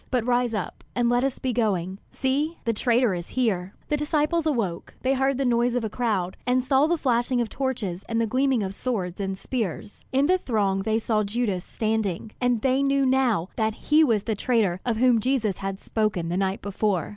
But rise up and let us be going. See, the traitor is here!" The disciples awoke; they heard the noise of a crowd, and saw the flashing of torches and the gleaming of swords and spears. In the throng they saw Judas standing, and they knew now that he was the traitor of whom Jesus had spoken the night before.